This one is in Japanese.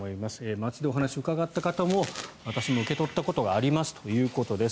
街でお話を伺った方も私も受け取ったことがありますということです。